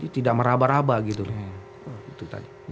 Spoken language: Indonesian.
tidak meraba raba gitu